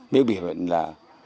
biểu hiện là